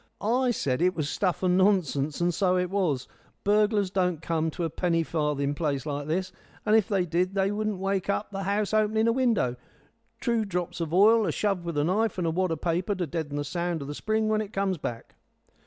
"I said it was stuff and nonsense, and so it was. Burglars don't come to a penny farthing place like this; and if they did, they wouldn't wake up the house opening a window. Two drops of ile, a shove with the knife, and a wad o' paper to deaden the sound of the spring when it comes back."